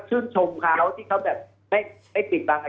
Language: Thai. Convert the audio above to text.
ผมเกิดนี้ก่อนอะคุณพูดก่อนอะ